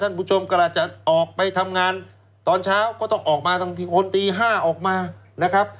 คุณผู้ชมกำลังจะออกไปทำงานตอนเช้าก็ต้องออกมาคนตี๕ออกมานะครับ